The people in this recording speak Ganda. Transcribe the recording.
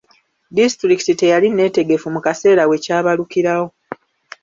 Disitulikiti teyali neetegefu mu kaseera we kyabalukirawo.